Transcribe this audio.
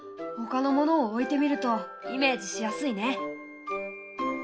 ほかのものを置いてみるとイメージしやすいね！